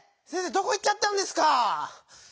どこいっちゃったんですかぁ。